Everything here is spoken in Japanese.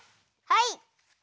はい！